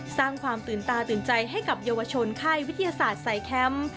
สร้างความตื่นตาตื่นใจให้กับเยาวชนค่ายวิทยาศาสตร์ใส่แคมป์